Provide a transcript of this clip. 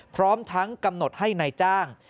พร้อมทั้งกำหนดให้นายจ้าง